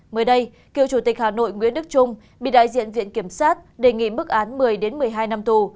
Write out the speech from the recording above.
mới đây cựu chủ tịch hà nội nguyễn đức trung bị đại diện viện kiểm sát đề nghị mức án một mươi một mươi hai năm tù